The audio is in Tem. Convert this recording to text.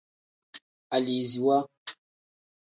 Aliziwa.